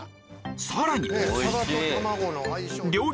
さらに！